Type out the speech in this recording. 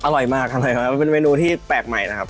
อร่อยมากอร่อยครับมันเป็นเมนูที่แปลกใหม่นะครับ